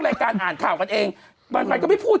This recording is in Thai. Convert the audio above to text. เป็นคอนเทนต์ของข่าวใสไข่ใช่ไหม